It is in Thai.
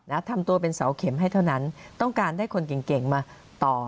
ทำตัวเป็นเสาเข็มให้เท่านั้นต้องการได้คนเก่งเก่งมาต่อ